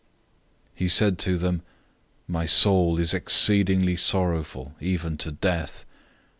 014:034 He said to them, "My soul is exceedingly sorrowful, even to death.